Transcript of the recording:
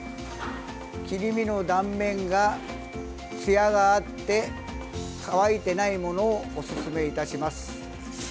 切り身の断面が、つやがあって乾いていないものをおすすめいたします。